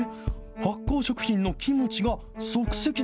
発酵食品のキムチが、即席で？